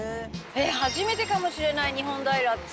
えっ初めてかもしれない日本平って。